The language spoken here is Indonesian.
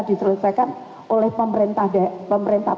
diselesaikan oleh pemerintah